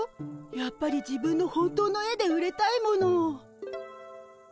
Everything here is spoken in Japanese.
やっぱり自分の本当の絵で売れたいもの。